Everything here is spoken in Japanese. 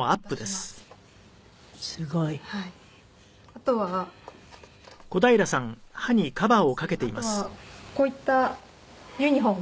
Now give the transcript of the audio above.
あとはこういったユニホーム。